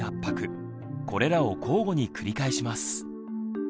これらを交互に繰り返します。